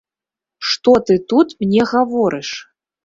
Што ты тут мне гаворыш!